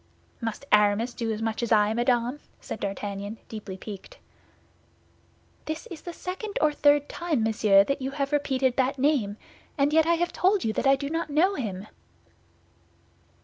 "Must Aramis do as much as I, madame?" said D'Artagnan, deeply piqued. "This is the second or third time, monsieur, that you have repeated that name, and yet I have told you that I do not know him."